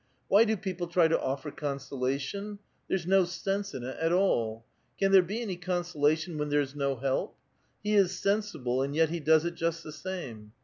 Why do people try to offer con solation ? There's no sense in it at all. Can there be any consolation when there's no help? He is sensible, and 3'et he does just the same.